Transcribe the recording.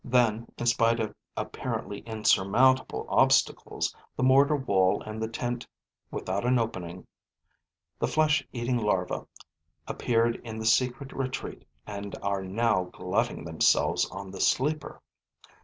Then, in spite of apparently insurmountable obstacles, the mortar wall and the tent without an opening, the flesh eating larvae appeared in the secret retreat and are now glutting themselves on the sleeper.